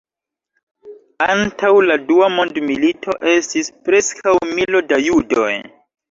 Antaŭ la Dua Mondmilito estis preskaŭ milo da judoj.